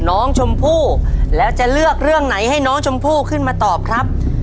น้องชมพู่แล้วจะเลือกเรื่องไหนให้น้องชมพู่ขึ้นมาตอบครับ